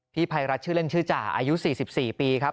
ภัยรัฐชื่อเล่นชื่อจ่าอายุ๔๔ปีครับ